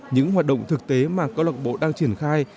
những hoạt động thực tế mà câu lạc bộ đang triển khai